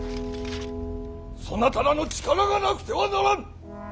そなたらの力がなくてはならん！